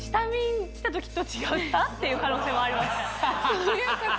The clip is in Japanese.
そういうこと？